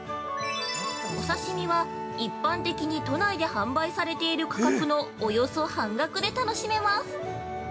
お刺身は、一般的に都内で販売されている価格のよそ半額の値段で楽しめます。